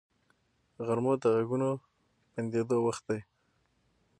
غرمه د غږونو بندیدو وخت دی